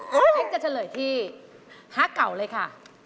เพียงจะเฉลยที่ฮัสเก๋อะเลยค่ะ